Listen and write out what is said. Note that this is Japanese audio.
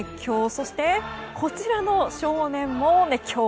そして、こちらの少年も熱狂。